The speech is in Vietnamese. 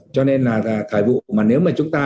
cho nên là thời vụ mà nếu mà chúng ta